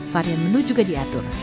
varian menu juga diatur